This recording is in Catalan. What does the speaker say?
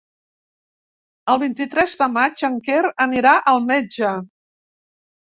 El vint-i-tres de maig en Quer anirà al metge.